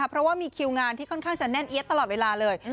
เพราะว่ามีคิวงานที่ค่อนข้างจะแน่นเอี๊ยดตลอดเวลาเลย